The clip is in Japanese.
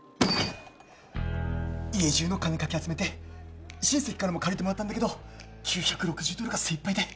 家じゅうの金かき集めて親戚からも借りてもらったんだけど９６０ドルが精いっぱいで。